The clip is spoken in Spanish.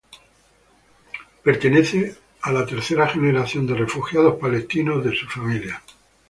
Pertenece la tercera generación de refugiados palestinos de su familia.